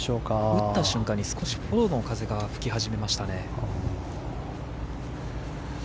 打った瞬間に少しフォローの風が吹き始めましたね。